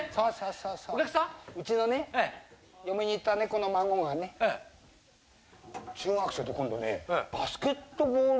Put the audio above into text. そうそううちのね嫁に行った子の孫がね中学生で今度ねバスケットボール。